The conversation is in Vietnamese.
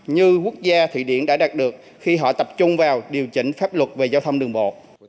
như quốc gia thụy điển đã đạt được khi họ tập trung vào điều chỉnh pháp luật về giao thông đường bộ